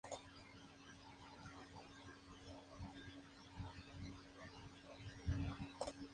Suele citarse como George H. Sabine o simplemente Sabine.